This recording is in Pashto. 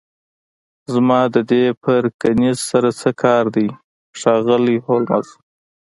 زما د دې پرکینز سره څه کار دی ښاغلی هولمز